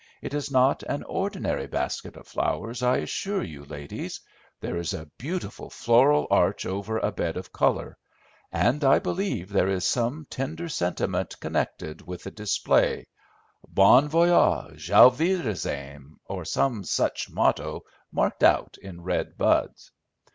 It is not an ordinary basket of flowers, I assure you, ladies. There is a beautiful floral arch over a bed of colour, and I believe there is some tender sentiment connected with the display;—Bon Voyage, Auf Wiedersehen, or some such motto marked out in red buds.